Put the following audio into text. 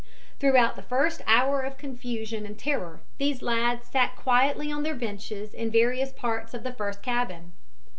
Throughout the first hour of confusion and terror these lads sat quietly on their benches in various parts of the first cabin.